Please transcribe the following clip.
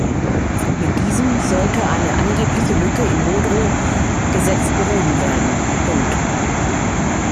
Mit diesem sollte eine angebliche Lücke im Modrow-Gesetz behoben werden.